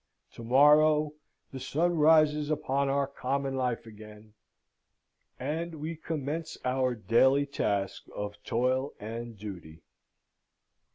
To morrow the sun rises upon our common life again, and we commence our daily task of toil and duty.